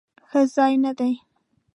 ښه ځای نه دی؟